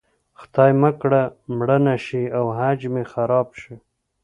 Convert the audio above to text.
خدای مه کړه مړه نه شي او حج مې خراب شي.